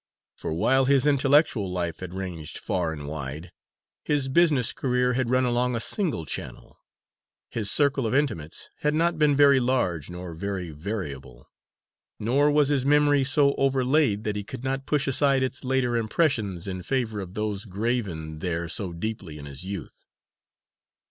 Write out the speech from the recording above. For while his intellectual life had ranged far and wide, his business career had run along a single channel, his circle of intimates had not been very large nor very variable, nor was his memory so overlaid that he could not push aside its later impressions in favour of those graven there so deeply in his youth.